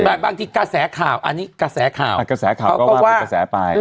แต่บางทีกระแสข่าวอันนี้กระแสข่าวกระแสข่าวเขาก็ว่ากระแสไป